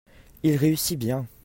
Il réussit bien.